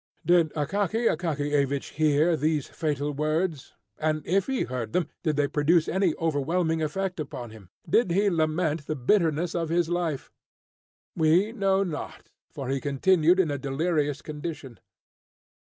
Did Akaky Akakiyevich hear these fatal words? And if he heard them, did they produce any overwhelming effect upon him? Did he lament the bitterness of his life? We know not, for he continued in a delirious condition.